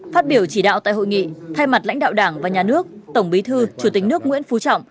phát biểu chỉ đạo tại hội nghị thay mặt lãnh đạo đảng và nhà nước tổng bí thư chủ tịch nước nguyễn phú trọng